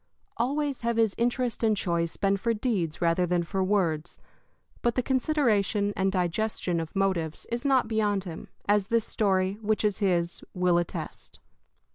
Always have his interest and choice been for deeds rather than for words; but the consideration and digestion of motives is not beyond him, as this story, which is his, will attest.